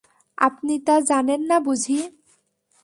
আপনি তা জানেন না বুঝি?